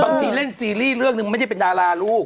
บางทีเล่นซีรีส์เรื่องหนึ่งไม่ได้เป็นดาราลูก